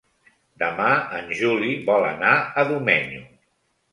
Demà en Juli vol anar a Domenyo.